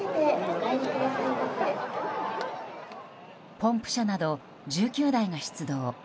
ポンプ車など１９台が出動。